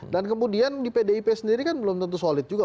dan kemudian di pdip sendiri kan belum tentu saja